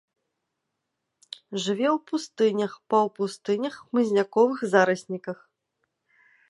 Жыве ў пустынях, паўпустынях, хмызняковых зарасніках.